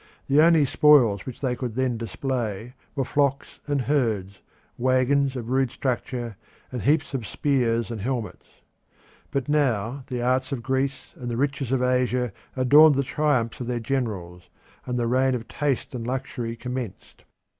The only spoils which they could then display were flocks and herds, wagons of rude structure, and heaps of spears and helmets. But now the arts of Greece and the riches of Asia adorned the triumphs of their generals, and the reign of taste and luxury commenced.